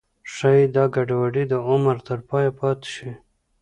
ښایي دا ګډوډي د عمر تر پایه پاتې شي.